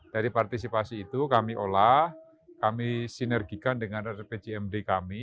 dari partisipasi itu kami olah kami sinergikan dengan rpcmd kami